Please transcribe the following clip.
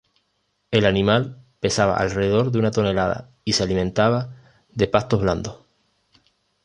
El animal pesaba alrededor de una tonelada, y se alimentaba de pastos blandos.